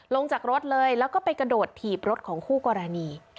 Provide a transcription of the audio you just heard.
ลงจากรถเลยแล้วก็ไปกระโดดถีบรถของคู่กรณี